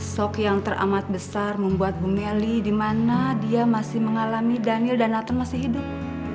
sok yang teramat besar membuat bu melly di mana dia masih mengalami daniel dan nathan masih hidup